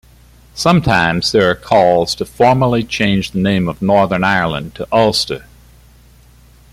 Sometimes there are calls to formally change the name of Northern Ireland to Ulster.